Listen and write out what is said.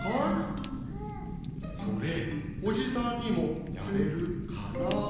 それおじさんにもやれるかな？